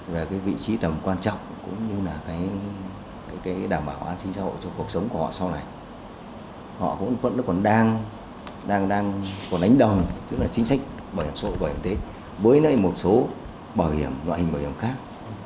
về vị trí tầm quan trọng cũng như đảm bảo an sinh xã hội trong cuộc sống của họ sau này họ vẫn còn đánh đồng chính sách bảo hiểm xã hội bảo hiểm y tế với một số loại hình bảo hiểm khác